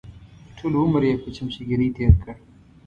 ټول عمر یې په چمچهګیري تېر کړ.